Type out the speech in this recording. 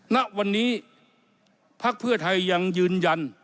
ณวันนี้ภักดิ์เพื่อไทยยังยืนยัน